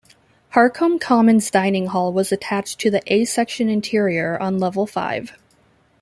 Harcombe Commons dining hall was attached to the A-section interior on level five.